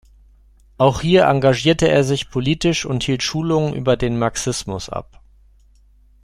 Auch hier engagierte er sich politisch und hielt Schulungen über den Marxismus ab.